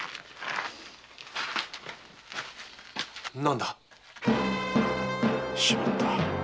なんだ？しまった。